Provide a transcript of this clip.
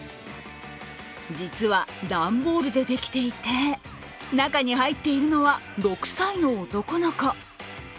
実は段ボールでできていて中に入っているのは６歳の男の子。